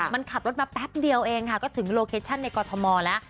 มันขับรถมาแป๊บเดียวเองค่ะก็ถึงโลเคชั่นในกรทมแล้ว